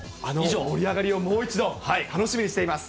あの盛り上がりをもう一度、楽しみにしています。